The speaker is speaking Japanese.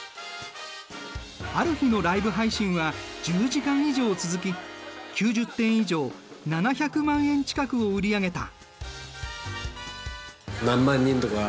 ある日のライブ配信は１０時間以上続き９０点以上７００万円近くを売り上げた。